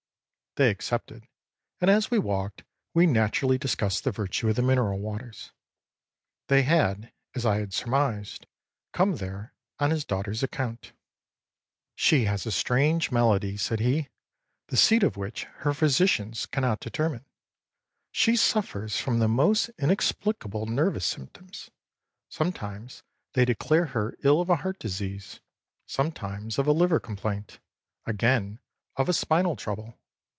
They accepted, and as we walked, we naturally discussed the virtue of the mineral waters. They had, as I had surmised, come there on his daughterâs account. âShe has a strange malady,â said he, âthe seat of which her physicians cannot determine. She suffers from the most inexplicable nervous symptoms. Sometimes they declare her ill of a heart disease; sometimes of a liver complaint; again of a spinal trouble.